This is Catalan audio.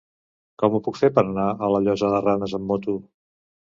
Com ho puc fer per anar a la Llosa de Ranes amb moto?